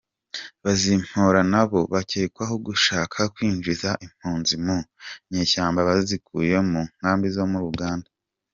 Bazimpora nabo bakekwaho gushaka kwinjiza impunzi mu nyeshyamba bazikuye mu nkambi zo muri Uganda.